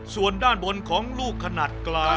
ส่วนด้านบนของลูกขนาดกลาง